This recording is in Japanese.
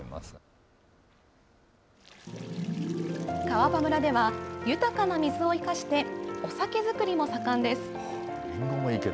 川場村では、豊かな水を生かして、お酒造りも盛んです。